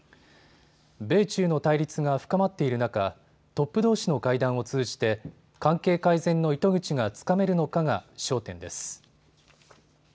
米中の対立が深まっている中、トップどうしの会談を通じて関係改善の糸口がつかめるのかが焦点です。